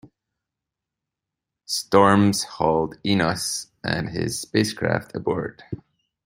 "Stormes" hauled Enos and his spacecraft aboard.